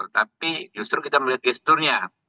tapi justru kita melihat gesturnya